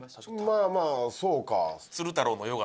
まあまあそうか